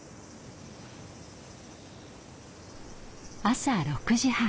朝６時半。